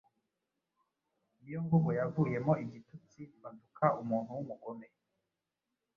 niyo mvugo yavuyemo igitutsi batuka umuntu w'umugome